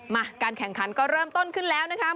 มาการแข่งขันก็เริ่มต้นขึ้นแล้วนะคะ